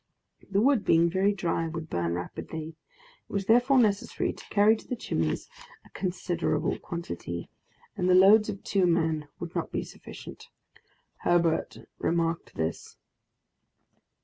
The wood, being very dry, would burn rapidly; it was therefore necessary to carry to the Chimneys a considerable quantity, and the loads of two men would not be sufficient. Herbert remarked this.